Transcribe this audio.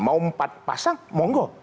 mau empat pasang mau enggak